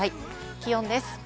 気温です。